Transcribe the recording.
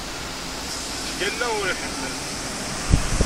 Yettgalla ur iḥennet!